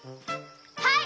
はい！